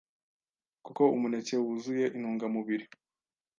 kuko umuneke wuzuye intungamubiri